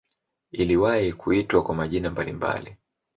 Iliwahi kuitwa kwa majina mbalimbali.